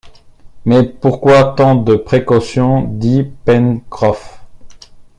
Mais pourquoi tant de précautions? dit Pencroff.